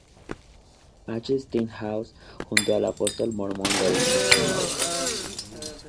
H. Stenhouse junto al apóstol mormón Lorenzo Snow.